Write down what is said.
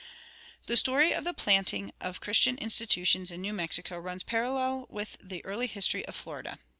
The story of the planting of Christian institutions in New Mexico runs parallel with the early history of Florida.